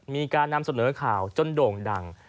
มีการนำเสนอข่าวจนโด่งดัง